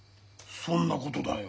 そんなことだよ。